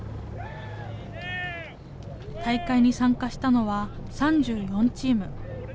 大会に参加したのは３４チーム。